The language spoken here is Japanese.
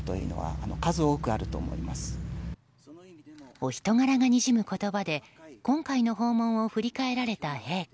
お人柄がにじむ言葉で今回の訪問を振り返られた陛下。